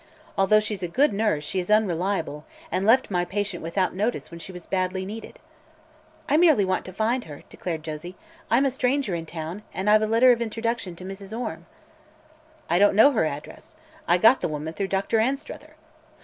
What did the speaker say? "Although she's a good nurse, she is unreliable, and left my patient without notice when she was badly needed." "I merely want to find her," declared Josie. "I'm a stranger in town and I've a letter of introduction to Mrs. Orme." "I don't know her address. I got the woman through Dr. Anstruther."